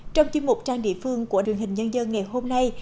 trong chuyên mục trang địa phương của truyền hình nhân dân ngày hôm nay